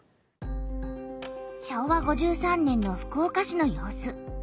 昭和５３年の福岡市の様子。